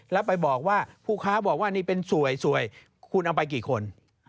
แล้วผู้ค้าบอกว่านี่เป็นสวยคุณเอาไปกี่คน